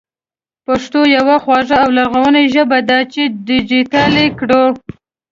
پښتو يوه خواږه او لرغونې ژبه ده چې ډېجېټل يې کړو